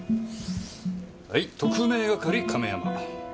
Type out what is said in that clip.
はい特命係亀山。